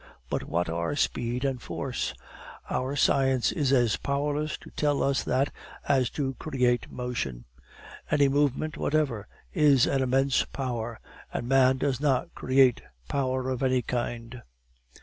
But what are speed and force? Our science is as powerless to tell us that as to create motion. Any movement whatever is an immense power, and man does not create power of any kind.